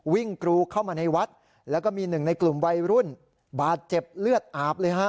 กรูเข้ามาในวัดแล้วก็มีหนึ่งในกลุ่มวัยรุ่นบาดเจ็บเลือดอาบเลยฮะ